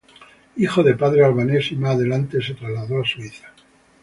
Hijo de padres albaneses y más adelante se trasladó a Suiza.